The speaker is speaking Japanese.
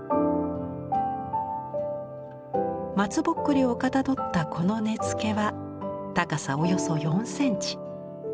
松毬をかたどったこの根付は高さおよそ４センチ。